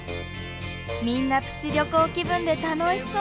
みんなプチ旅行気分で楽しそう。